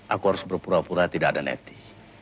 aku harus berpura pura tidak ada nafti